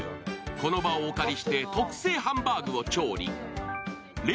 この場をお借りして特製ハンバーグを調理。